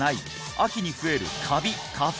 秋に増えるカビ花粉